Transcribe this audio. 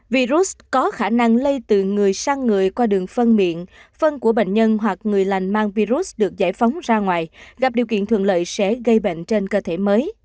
virus có khả năng lây từ người sang người qua đường phân miễn phân của bệnh nhân hoặc người lành mang virus được giải phóng ra ngoài gặp điều kiện thuận lợi sẽ gây bệnh trên cơ thể mới